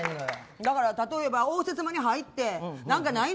だから、例えば応接間に入って何かないの？